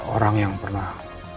orang yang pernah